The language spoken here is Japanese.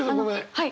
はい。